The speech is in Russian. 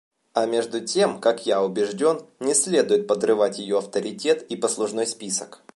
А между тем, как я убежден, не следует подрывать ее авторитет и послужной список.